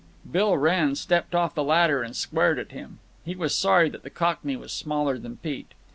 Bill Wrenn stepped off the ladder and squared at him. He was sorry that the Cockney was smaller than Pete.